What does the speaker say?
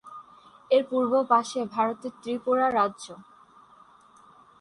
এর পূর্ব পাশে ভারতের ত্রিপুরা রাজ্য।